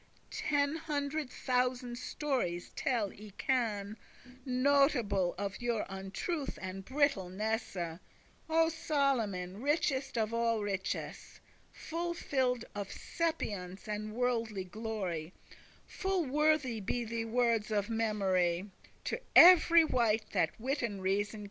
Ten hundred thousand stories tell I can Notable of your untruth and brittleness * *inconstancy O Solomon, richest of all richess, Full fill'd of sapience and worldly glory, Full worthy be thy wordes of memory To every wight that wit and reason can.